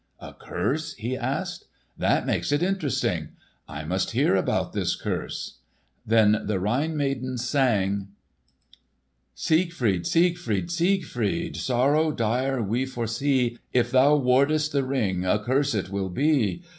"A curse?" he asked. "That makes it interesting! I must hear about this curse." Then the Rhine maidens sang, "Siegfried! Siegfried! Siegfried! Sorrow dire we foresee: If thou wardest the Ring, A curse it will be.